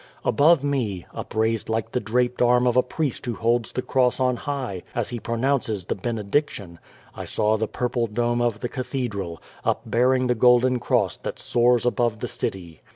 Above me upraised like the draped arm of a priest who holds the cross on high as he pronounces the benediction I saw the purple dome of the Cathedral, up bearing the golden cross that soars above the city.